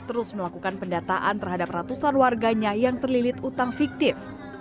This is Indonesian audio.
terus melakukan pendataan terhadap ratusan warganya yang terlilit utang fiktif